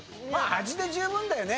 味で十分だよね